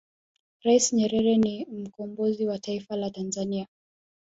rais nyerere ni mkombozi wa taifa la tanzania